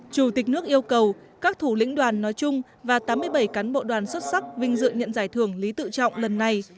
chủ tịch nước yêu cầu các thủ lĩnh đoàn nói chung và tám mươi bảy cán bộ đoàn xuất sắc vinh dự nhận giải thưởng lý tự trọng lần này